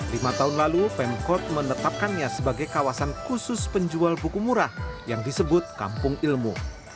lima tahun lalu pemkot menetapkannya sebagai kawasan khusus penjual buku murah yang disebut kampung ilmu